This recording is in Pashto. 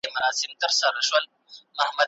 غرونه